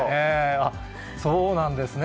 そうなんですよ。